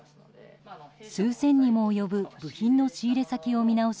数千にも及ぶ部品の仕入れ先を見直し